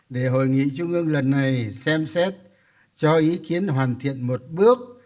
để hội nghị trung ương lần này xem xét cho ý kiến hoàn thiện một bước